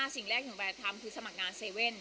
สิ่งแรกหนูแบบทำคือสมัครงาน๗๑๑